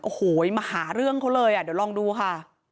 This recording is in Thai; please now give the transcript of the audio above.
โอ้โหมาหาเรื่องเขาเลยอ่ะเดี๋ยวลองดูค่ะ